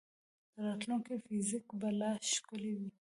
د راتلونکي فزیک به لا ښکلی وي.